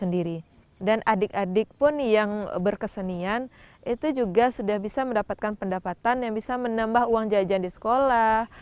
dan adik adik pun yang berkesenian itu juga sudah bisa mendapatkan pendapatan yang bisa menambah uang jajan di sekolah